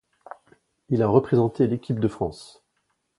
Il a représenté l'Équipe de France.